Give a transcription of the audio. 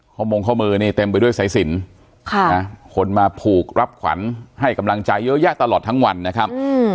มงข้อมือนี่เต็มไปด้วยสายสินคนมาผูกรับขวัญให้กำลังใจเยอะแยะตลอดทั้งวันนะครับ